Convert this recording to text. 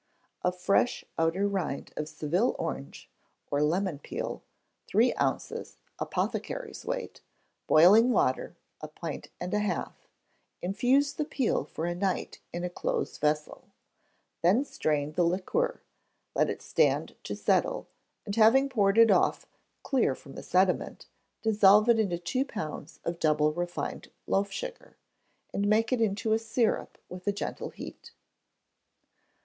Of fresh outer rind of Seville orange or lemon peel, three ounces, apothecaries' weight; boiling water, a pint and a half; infuse the peel for a night in a close vessel; then strain the liquor; let it stand to settle; and having poured it off clear from the sediment, dissolve in it two pounds of double refined loaf sugar, and make it into a syrup with a gentle heat.